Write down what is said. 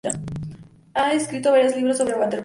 Ha escrito varios libros sobre waterpolo.